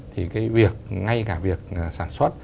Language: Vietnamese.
thì cái việc ngay cả việc sản xuất